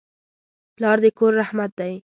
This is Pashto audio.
پلار د کور رحمت دی.